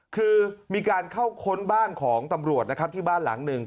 คือมีการเข้าค้นบ้านของตำรวจนะครับที่บ้านหลังหนึ่ง